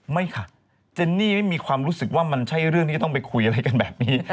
ไม่ค่ะเจนนี่ไม่มีความรู้สึกว่ามันใช่เรื่องที่จะต้องไปคุยอะไรกันแบบนี้